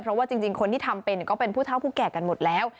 เพราะว่าจริงคนที่ทำเป็นก็เป็นผู้เท่าผู้แก่กันหมดแล้ว